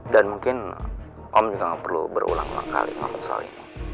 dan mungkin om juga nggak perlu berulang ulang kali ngomong soal ini